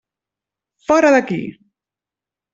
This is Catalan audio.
Fora d'aquí!